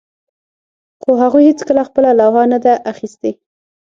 خو هغوی هیڅکله خپله لوحه نه ده اخیستې